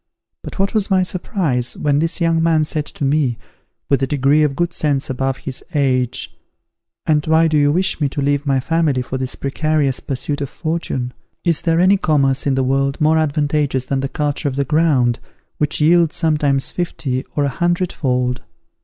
But what was my surprise, when this young man said to me, with a degree of good sense above his age, "And why do you wish me to leave my family for this precarious pursuit of fortune? Is there any commerce in the world more advantageous than the culture of the ground, which yields sometimes fifty or a hundred fold?